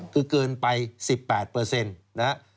คือเกินไป๑๘เปอร์เซ็นต์นะ